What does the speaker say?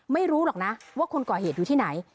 ไม่รู้หรอกนะว่าคนก่อเหตุอยู่ที่ไหน